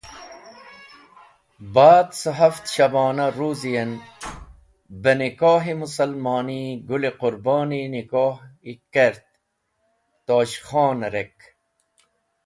Ba’d cẽ haft shbona ruzi en beh nikoh-e Mũsalmoni Gũl-e Qũrboni nikhoh kert Tosh Khon’rek.